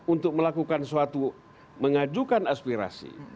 untuk melakukan suatu mengajukan aspirasi